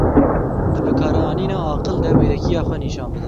Di bikaranîna aqil de wêrekiya xwe nîşan bide.